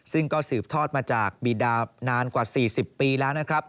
ซึ่งก็สืบทอดมาจากบีดานานกว่า๔๐ปีแล้วนะครับ